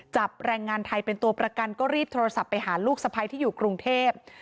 จับแรงงานไทยเป็นตัวประกันก็รีบโทรศัพท์ไปหาลูกสะพ้ายที่อยู่กรุงเทพ